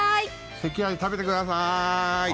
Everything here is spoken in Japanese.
関あじ、食べてくださーい。